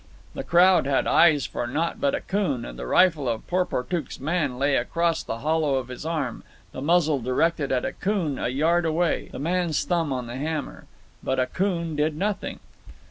The crowd had eyes for naught but Akoon, and the rifle of Porportuk's man lay across the hollow of his arm, the muzzle directed at Akoon a yard away, the man's thumb on the hammer. But Akoon did nothing.